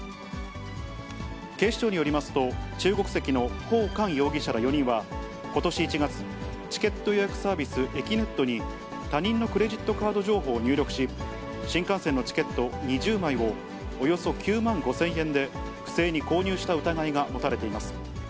警視庁によりますと、中国籍の方かん容疑者ら４人は、ことし１月、チケット予約サービス、えきねっとに、他人のクレジットカード情報を入力し、新幹線のチケット２０枚をおよそ９万５０００円で不正に購入した疑いが持たれています。